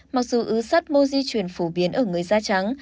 mặc dù ứ sắt mô di chuyển phổ biến ở người da trắng